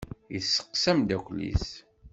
Yesseqsa amdakel-is.